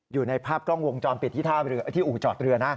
อยู่ในภาพกล้องวงจอมเป็นที่ท่าเบลืออุจอดเรือนะ